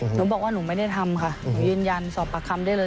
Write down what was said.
หนูบอกว่าหนูไม่ได้ทำค่ะหนูยืนยันสอบปากคำได้เลย